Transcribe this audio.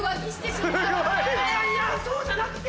すごい！いやそうじゃなくて。